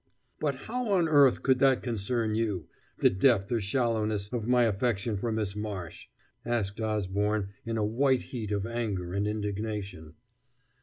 "But how on earth could that concern you, the depth or shallowness of my affection for Miss Marsh?" asked Osborne in a white heat of anger and indignation.